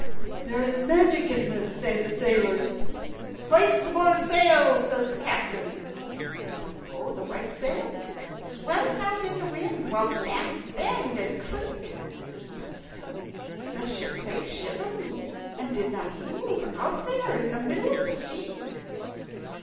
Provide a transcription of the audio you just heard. "There is magic in this," say the sailors. "Hoist more sail," says the captain; and up go the white sails, swelling out in the wind, while the masts bend and creak. But still the ship lay shivering and did not move, out there in the middle of the sea.